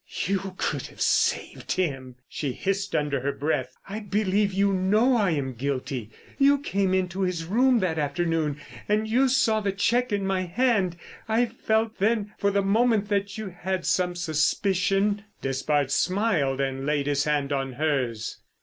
"You could have saved him!" she hissed under her breath. "I believe you know I am guilty. You came into his room that afternoon, and you saw the cheque in my hand. I felt then, for the moment, that you had some suspicion." Despard smiled and laid his hand on hers.